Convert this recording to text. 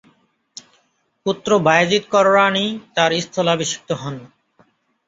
পুত্র বায়েজীদ কররানী তাঁর স্থলাভিষিক্ত হন।